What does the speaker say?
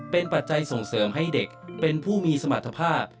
เป็นปัจจัยส่งเสริมให้เด็กเป็นผู้มีสมรรถภาพ